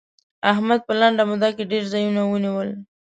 احمد په لنډه موده کې ډېر ځايونه ونيول.